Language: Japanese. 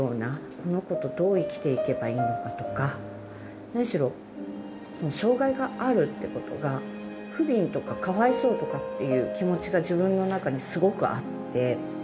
この子とどう生きていけばいいのかとか、何しろ、障がいがあるってことがふびんとかかわいそうとかっていう気持ちが、自分の中にすごくあって。